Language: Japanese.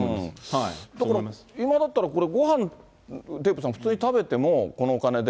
だから、今だったら、これ、ごはん、デーブさん、普通に食べても、このお金で。